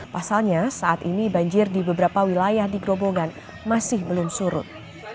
pasalnya saat ini banjir di beberapa wilayah di grobogan masih belum surut